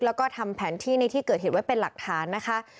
แล้วก็ทำแผนที่ในที่เกิดเหตุไว้เป็นหลักฐานนะคะ